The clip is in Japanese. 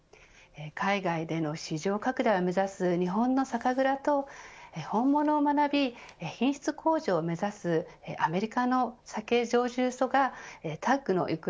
海外での市場拡大を目指す日本の酒蔵と本物を学び品質向上を目指すアメリカの酒醸造所のタッグの行方